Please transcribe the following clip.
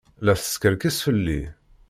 La teskerkis fell-i.